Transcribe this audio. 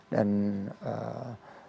dan mereka menyampaikan